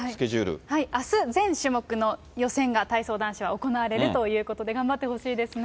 あす、全種目の予選が、体操男子は行われるということで、頑張ってほしいですね。